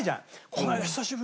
この間久しぶりにさ。